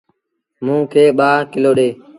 موݩ کي ٻآ ڪلو ڏي۔